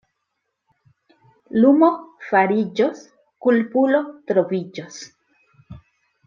Lumo fariĝos, kulpulo troviĝos.